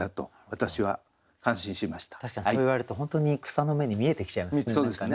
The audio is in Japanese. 確かにそう言われると本当に草の芽に見えてきちゃいますね。